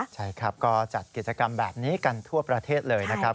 ใช่ครับก็จัดกิจกรรมแบบนี้กันทั่วประเทศเลยนะครับ